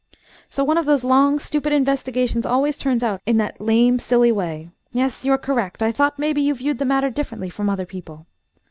"So one of those long stupid investigations always turns out in that lame silly way. Yes, you are correct. I thought maybe you viewed the matter differently from other people.